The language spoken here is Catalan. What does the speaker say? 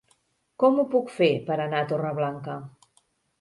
Com ho puc fer per anar a Torreblanca?